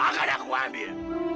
akan aku ambil